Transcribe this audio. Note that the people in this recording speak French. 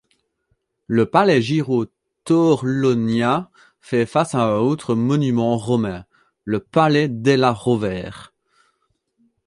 Le palais Giraud-Torlonia fait face à un autre monument romain, le palais Della Rovere.